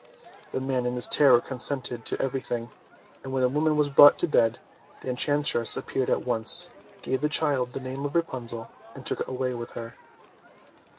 The man in his terror consented to everything, and when the woman was brought to bed, the enchantress appeared at once, gave the child the name of Rapunzel, and took it away with her.